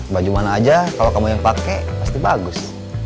baju mana aja kalau kamu yang pakai pasti bagus